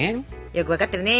よくわかってるね。